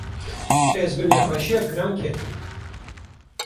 ez bi nexweşîya giran ketim.